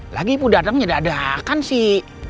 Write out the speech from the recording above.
lagi ibu datangnya dadakan sih